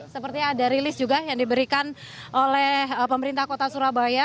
seperti ada rilis juga yang diberikan oleh pemerintah kota surabaya